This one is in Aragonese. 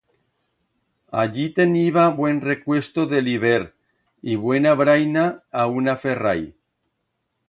Allí teniba buen recuesto de l'hibert y buena braina a una ferrai.